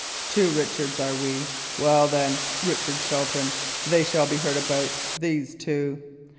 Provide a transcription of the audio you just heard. Two Richards are we. Well, then, Richard Shelton, they shall be heard about, these two!